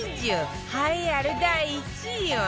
栄えある第１位は